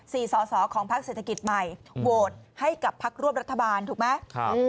สอสอของพักเศรษฐกิจใหม่โหวตให้กับพักร่วมรัฐบาลถูกไหมครับ